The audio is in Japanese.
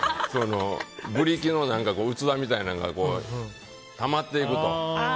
ブリキの器みたいなのがたまっていくと。